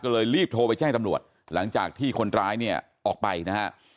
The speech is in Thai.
ก็เลยรีบโทรไปแจ้งตำรวจหลังจากที่คนร้ายเนี่ยออกไปนะฮะ